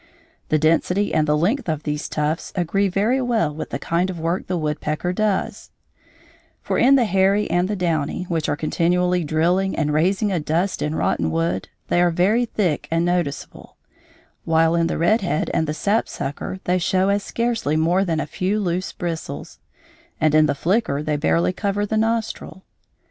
The density and the length of these tufts agree very well with the kind of work the woodpecker does; for in the hairy and the downy, which are continually drilling and raising a dust in rotten wood, they are very thick and noticeable, while in the red head and the sapsucker they show as scarcely more than a few loose bristles, and in the flicker they barely cover the nostril.